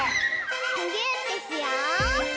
むぎゅーってしよう！